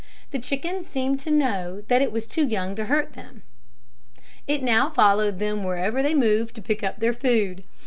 The chickens seemed to know that it was too young to hurt them. It now followed them wherever they moved to pick up their food.